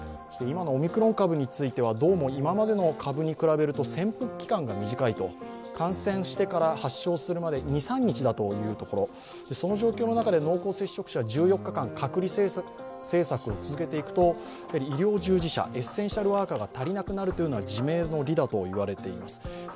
今のオミクロン株については、今までの株に比べると潜伏期間が短い、感染してから発症するまで２３日だというところその状況の中で、濃厚接触者、１４日間隔離政策を続けていくと、医療従事者、エッセンシャルワーカーが足りなくなるというのは自明の理だと言われています。